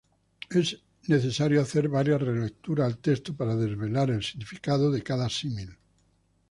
Es necesario hacer varias re-lecturas al texto para develar el significado de cada símil.